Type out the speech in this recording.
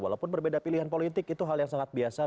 walaupun berbeda pilihan politik itu hal yang sangat biasa